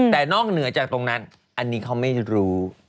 แต่นอกเหนือจากตรงนั้นอันนี้เขาไม่รู้